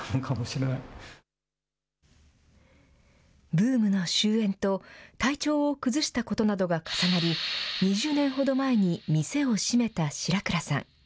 ブームの終えんと体調を崩したことなどが重なり２０年ほど前に店を閉めた白倉さん。